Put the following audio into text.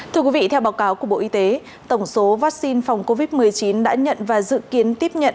thưa quý vị theo báo cáo của bộ y tế tổng số vaccine phòng covid một mươi chín đã nhận và dự kiến tiếp nhận